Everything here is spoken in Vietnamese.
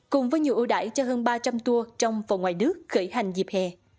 cùng với nhiều ưu đải cho hơn ba trăm linh tour trong và ngoài nước khởi hành dịp hè